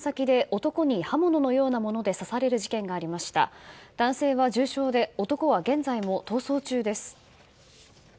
男性は重傷で男は現在も逃走中です。